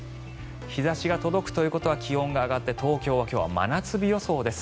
日差しが届くということは気温も上がって今日、東京は真夏日予想です。